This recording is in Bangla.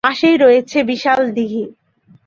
পাশেই রয়েছে বিশাল দিঘী।